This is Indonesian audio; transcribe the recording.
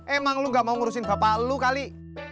emang lu gak mau ngurusin bapak lo kali